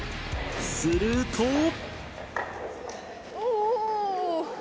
すると。